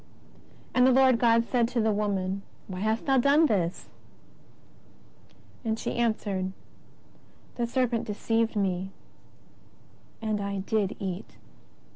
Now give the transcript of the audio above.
And the Lord God said to the woman: WTiy hast thou done this? And she answered : The serpent deceived me, and I did eat.